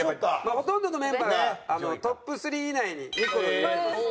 ほとんどのメンバーがトップ３以内にニコルを選んでます。